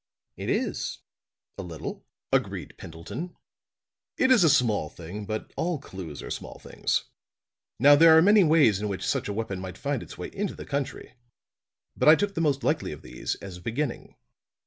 "It is a little," agreed Pendleton. "It is a small thing, but all clews are small things. Now there are many ways in which such a weapon might find its way into the country; but I took the most likely of these as a beginning.